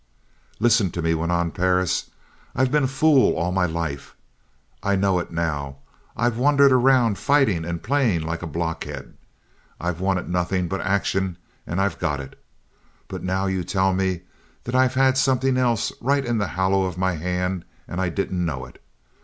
"Listen to me!" went on Perris. "I've been a fool all my life. I know it now. I've wandered around fighting and playing like a block head. I've wanted nothing but action and I've got it. But now you tell me that I've had something else right in the hollow of my hand and I didn't know it!